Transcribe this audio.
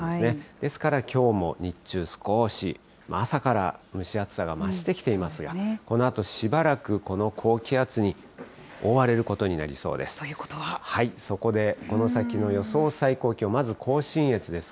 ですから、きょうも日中、少し、朝から蒸し暑さが増してきていますが、このあとしばらく、この高気圧に覆われることになりそうです。